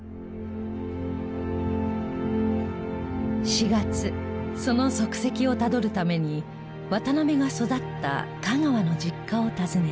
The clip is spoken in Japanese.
４月その足跡をたどるために渡邊が育った香川の実家を訪ねた。